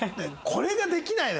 これができないのよ